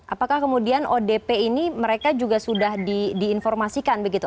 apakah kemudian odp ini mereka juga sudah diinformasikan begitu